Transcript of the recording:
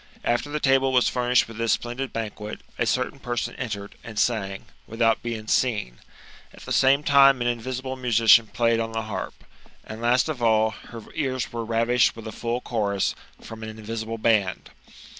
After the table was furnished with this splendid banquet, a cer tain person entered, and sang, without being seen ; at the same time an invisible musician played on the harp ; and, last of all, her ears were ravished with a full chorus, from an invisible band.